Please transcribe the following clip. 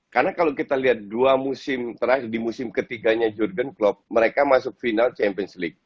karena kalau kita lihat dua musim terakhir di musim ketiganya jurgen klopp mereka masuk final champions league